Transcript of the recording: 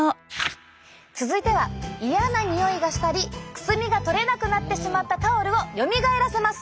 続いては嫌なにおいがしたりくすみが取れなくなってしまったタオルをよみがえらせます！